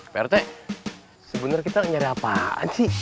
pak yota sebenernya kita nyari apaan sih